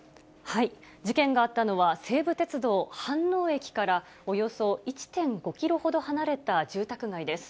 事件があったのは、西武鉄道飯能駅からおよそ１．５キロほど離れた住宅街です。